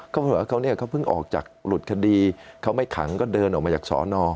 เขาบอกว่าเขาเนี่ยเขาเพิ่งออกจากหลุดคดีเขาไม่ขังก็เดินออกมาจากสอนอ